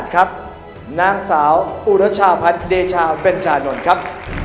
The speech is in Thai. ครับนางสาวอุรชาพัฒน์เดชาเบนชานนท์ครับ